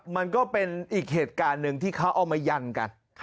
มันก็เป็นอีกเหตุการณ์หนึ่งที่เขาเอามายันกัน